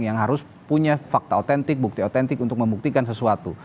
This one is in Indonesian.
yang harus punya fakta otentik bukti otentik untuk membuktikan sesuatu